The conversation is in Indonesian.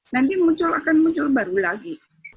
nanti muncul akan muncul baru lagi